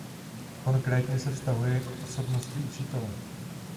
Konkrétně se vztahuje k osobnosti učitele.